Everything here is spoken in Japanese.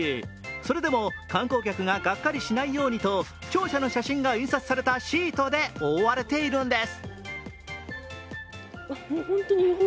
それでも、観光客ががっかりしないようにと、庁舎の写真が印刷されたシートで覆われているんです。